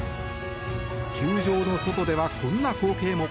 球場の外では、こんな光景も。